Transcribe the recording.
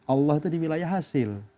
allah itu di wilayah hasil